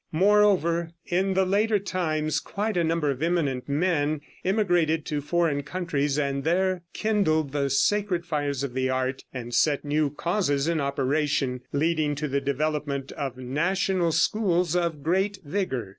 Moreover, in the later times, quite a number of eminent men emigrated to foreign countries, and there kindled the sacred fires of the art, and set new causes in operation, leading to the development of national schools of great vigor.